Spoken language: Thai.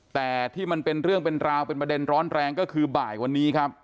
แต่ที่มันเป็นเรื่องเป็นราวเป็นประเด็นร้อนแรงก็คือบ่ายวันนี้ครับ